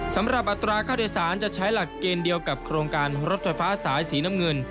อัตราค่าโดยสารจะใช้หลักเกณฑ์เดียวกับโครงการรถไฟฟ้าสายสีน้ำเงิน